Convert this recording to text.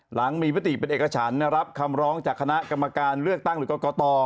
หลังมีมติเป็นเอกฉันรับคำร้องจากคณะกรรมการเลือกตั้งหรือกรกต